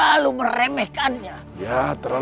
aku harus mengatur si asad